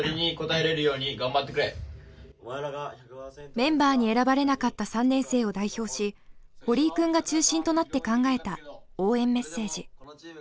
メンバーに選ばれなかった３年生を代表し堀井君が中心となって考えた応援メッセージ。